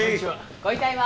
ご遺体は？